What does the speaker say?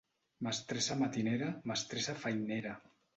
Mestressa matinera, mestressa feinera.